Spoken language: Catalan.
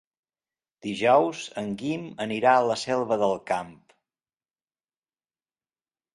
Dijous en Guim anirà a la Selva del Camp.